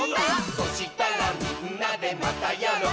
「そしたらみんなで『またやろう！』」